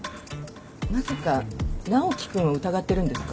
まさか直樹君を疑ってるんですか？